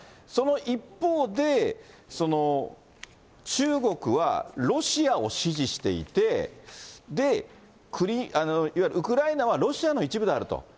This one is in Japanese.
その一方で、中国はロシアを支持していて、で、いわゆるウクライナはロシアの一部であると。